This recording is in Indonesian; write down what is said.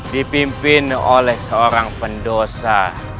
dipimpin oleh seorang pendosa